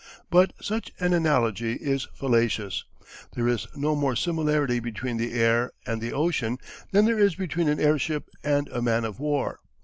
But such an analogy is fallacious: there is no more similarity between the air and the ocean than there is between an airship and a man of war.